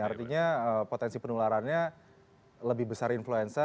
artinya potensi penularannya lebih besar influenza